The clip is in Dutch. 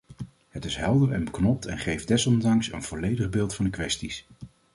Het is helder en beknopt en geeft desondanks een volledig beeld van de kwesties.